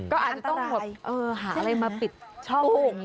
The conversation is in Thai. ก็อาจจะต้องหาอะไรมาปิดช่อง